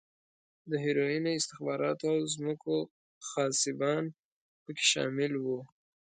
د هیروینو، استخباراتو او ځمکو غاصبان په کې شامل و.